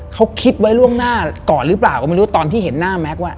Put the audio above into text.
เขาคิดไว้ล่วงหน้าก่อนหรือเปล่าก็ไม่รู้ตอนที่เห็นหน้าแก๊กอ่ะ